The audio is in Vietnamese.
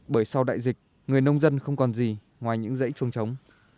bởi sau đại dịch người nông dân không còn gì ngoài những dãy chuông trống